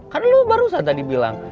kan lo baru saja tadi bilang